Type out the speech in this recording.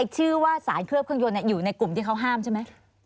ชื่อว่าสารเคลือบเครื่องยนต์อยู่ในกลุ่มที่เขาห้ามใช่ไหม